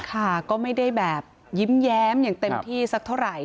ค่ะก็ไม่ได้แบบยิ้มแย้มอย่างเต็มที่สักเท่าไหร่